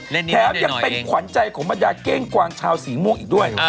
แถมยังเป็นขวัญใจของบรรดาเก้งกวางชาวสีม่วงอีกด้วย